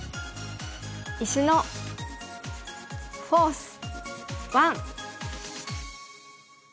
「石のフォース１」。